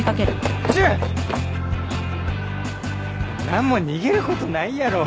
何も逃げることないやろ。